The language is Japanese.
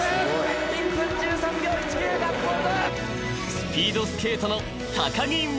［スピードスケートの］